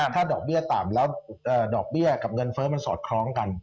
ถ้าดอกเบี้ยต่ำแล้วกับเงินเฟ้อก็จะสอดคล้องกัน